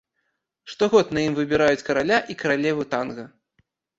Штогод на ім выбіраюць караля і каралеву танга.